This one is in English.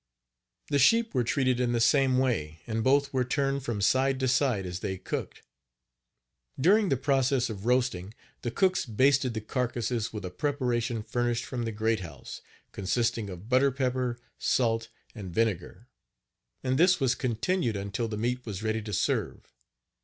The sheep were treated in the same way, and both were turned from side to side as they cooked. During the process of roasting the cooks basted the carcasses with a preparation furnished from the great house, consisting of butter Page 49 pepper, salt and vinegar, and this was continued until the meat was ready to serve.